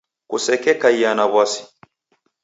Kosekekaia na w'asi